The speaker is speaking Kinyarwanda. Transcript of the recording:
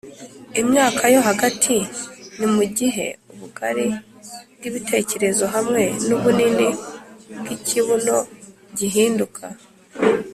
imyaka yo hagati ni mugihe ubugari bwibitekerezo hamwe nubunini bwikibuno gihinduka